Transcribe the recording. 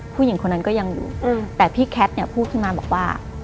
ผู้หญิงคนนั้นก็ยังอยู่แต่พี่แคทเนี่ยพูดขึ้นมาบอกว่า